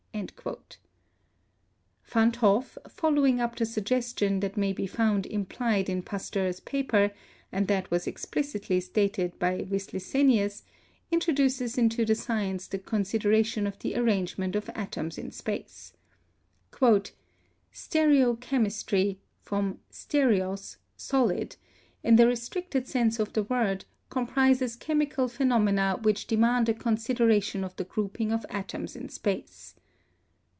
Van 't Hoff, fol lowing up the suggestion that may be found implied in Pasteur's paper, and that was explicitly stated by Wish 250 CHEMISTRY cenus, introduces into the science the consideration of the arrangement of atoms in space : "Stereochemistry [from crrspeo^ solid], in the re stricted sense of the word, comprizes chemical phenomena which demand a consideration of the grouping of atoms in space."